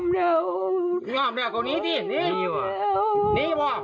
นี่หว่านี่หว่า